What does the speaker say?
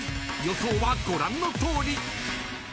［予想はご覧のとおり］